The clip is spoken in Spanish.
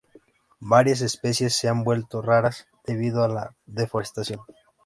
Varias especies se han vuelto raras debido a la deforestación.